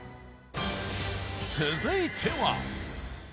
続いては。